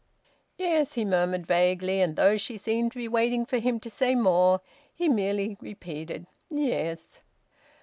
"Yes," he murmured vaguely; and though she seemed to be waiting for him to say more, he merely repeated, "Yes."